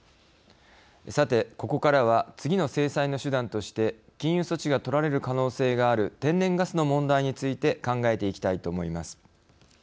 さて、ここからは次の制裁の手段として禁輸措置がとられる可能性がある天然ガスの問題について考えていきたいと思います。